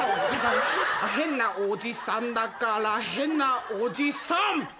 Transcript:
「変なおじさんだから変なおじさん」